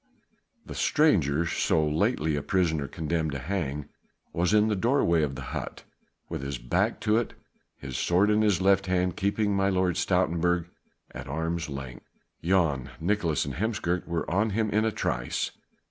The stranger, so lately a prisoner condemned to hang, was in the doorway of the hut, with his back to it, his sword in his left hand keeping my Lord of Stoutenburg at arm's length. Jan, Nicolaes and Heemskerk were on him in a trice.